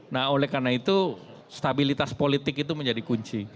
nah oleh karena itu stabilitas politik itu menjadi kunci